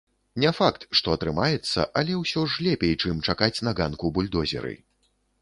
Не факт, што атрымаецца, але ўсё ж лепей, чым чакаць на ганку бульдозеры.